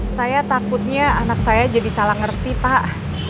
saya takutnya anak saya jadi salah ngerti pak